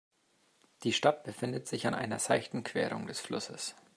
Die Stadt befindet sich an einer seichten Querung des Flusses.